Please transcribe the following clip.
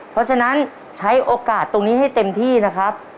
เพราะฉะนั้นใช้โอกาสตรงนี้ให้เต็มที่นะครับ